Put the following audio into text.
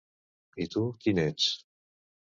I tu, quin ets?